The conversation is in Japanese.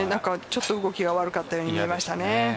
ちょっと動きが悪かったように見えましたね。